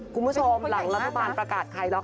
คุณผู้ชมหลังรัฐบาลประกาศคลายล็อก